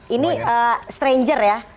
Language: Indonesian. ini stranger ya